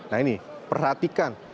nah ini perhatikan